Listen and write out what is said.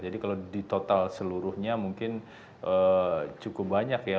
kalau di total seluruhnya mungkin cukup banyak ya